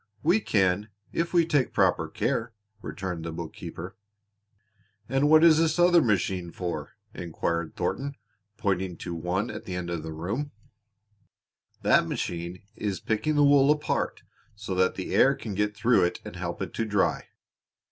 "We can if we take proper care," returned the bookkeeper. "And what is this other machine for?" inquired Thornton, pointing to one at the end of the room. [Illustration: "WHAT IS THIS OTHER MACHINE?"] "That machine is picking the wool apart so that the air can get through it and help it to dry.